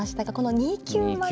２九馬で。